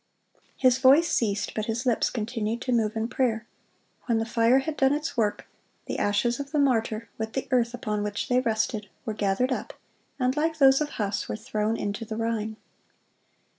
(152) His voice ceased, but his lips continued to move in prayer. When the fire had done its work, the ashes of the martyr, with the earth upon which they rested, were gathered up, and like those of Huss, were thrown into the Rhine.